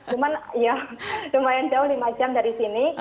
cuman ya lumayan jauh lima jam dari sini